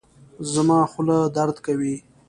زما خوله درد کوي